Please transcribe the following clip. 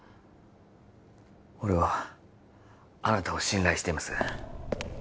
俺はあなたを信頼しています